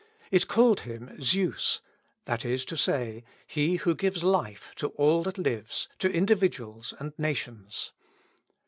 It called him Zeus, that is to say, He who gives life to all that lives, to individuals and nations.